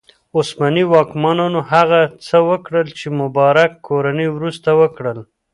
عثماني واکمنانو هغه څه وکړل چې مبارک کورنۍ وروسته وکړل.